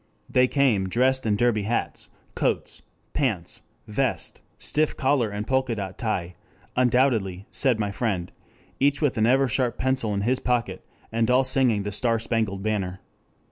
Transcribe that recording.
They came, dressed in derby hats, coats, pants, vest, stiff collar and polka dot tie, undoubtedly, said my friend, each with an Eversharp pencil in his pocket, and all singing the Star Spangled Banner.